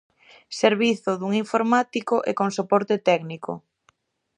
Servizo dun informático e con soporte técnico.